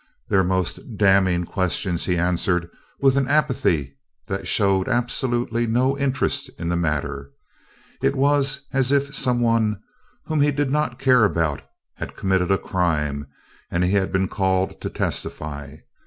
Their most damning question he answered with an apathy that showed absolutely no interest in the matter. It was as if some one whom he did not care about had committed a crime and he had been called to testify.